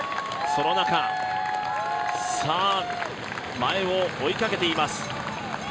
その中、前を追いかけています。